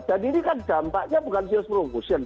dan ini kan dampaknya bukan sales promotion